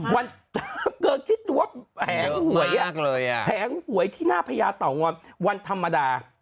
เธอคิดดูว่าแผงหวยแผงหวยที่หน้าพญาเต่างอนวันธรรมดา